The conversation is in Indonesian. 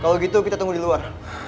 kalau gitu kita tunggu di luar